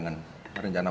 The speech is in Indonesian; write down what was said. lo ga makin duk mer